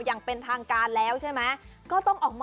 อย่างเป็นทางการแล้วใช่ไหม